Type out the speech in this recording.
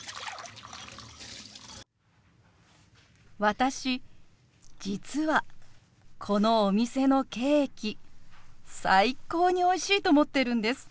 私実はこのお店のケーキ最高においしいと思ってるんです。